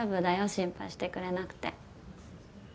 心配してくれなくて。